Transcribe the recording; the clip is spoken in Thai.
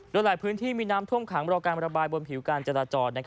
โดยหลายพื้นที่มีน้ำท่วมขังรอการระบายบนผิวการจราจร